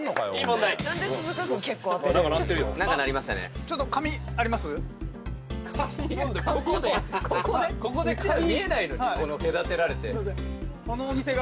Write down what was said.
うちら見えないのに隔てられて。